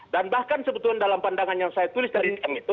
bahkan sebetulnya dalam pandangan yang saya tulis dari m itu